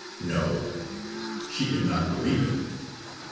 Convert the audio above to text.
No, she could not believe it!